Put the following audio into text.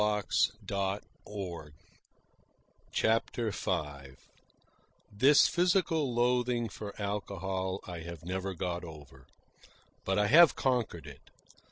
CHAPTER V This physical loathing for alcohol I have never got over. But I have conquered it.